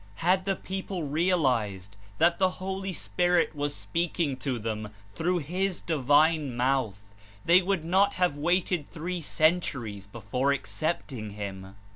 Had the people realized that the Holy Spirit was speaking to them through His Divine Mouth, they would not have waited three centuries before accepting Him.